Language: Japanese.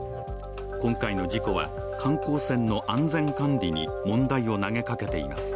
今回の事故は、観光船の安全管理に問題を投げかけています。